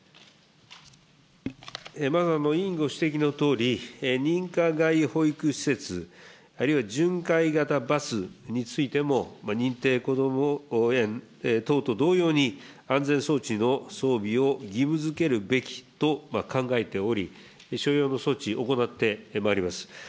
まず委員ご指摘のとおり、認可外保育施設、あるいは巡回型バスについても、認定こども園等と同様に、安全装置の装備を義務づけるべきと考えており、所要の措置、行ってまいります。